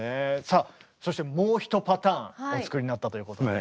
さあそしてもう１パターンお作りになったということで。